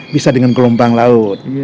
bisa dengan gelombang laut